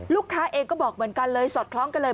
ลูกค้าเองก็บอกเหมือนกันเลยสอดคล้องกันเลย